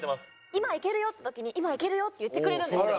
今いけるよっていう時に「今いけるよ」って言ってくれるんですよ。